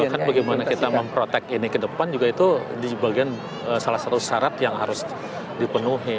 bahkan bagaimana kita memprotek ini ke depan juga itu di bagian salah satu syarat yang harus dipenuhi